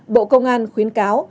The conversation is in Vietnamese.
bộ công an khuyến cáo